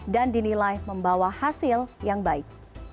dan dinilai membawa hasil yang baik